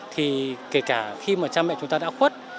thì kể cả khi mà cha mẹ chúng ta đã khuất